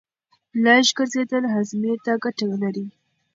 لږ ګرځېدل هاضمې ته ګټه لري.